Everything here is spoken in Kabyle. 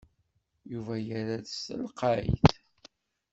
Yuba yerra-d s telqayt.